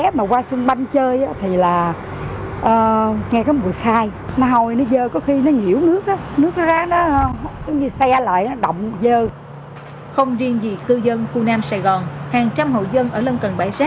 các bạn hãy đăng ký kênh để ủng hộ kênh của mình nhé